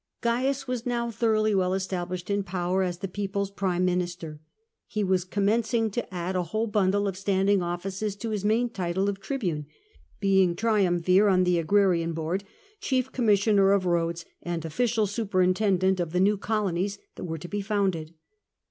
Oaius was now thoroughly well established in power as the people's prime minister : he was commencing to add a whole bundle of standing offices to his main title of tribune, being triumvir on the agrarian hoard, chief commissioner of roads, and official superintendent of the new colonies that were to be founded.